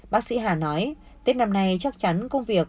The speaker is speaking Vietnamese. bác sĩ hà nói tết năm nay chắc chắn công việc